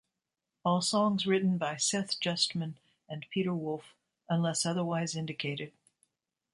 All songs written by Seth Justman and Peter Wolf unless otherwise indicated.